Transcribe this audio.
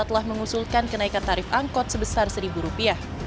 telah mengusulkan kenaikan tarif angkot sebesar rp satu